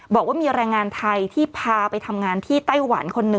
บอกว่ามีแรงงานไทยที่พาไปทำงานที่ไต้หวันคนหนึ่ง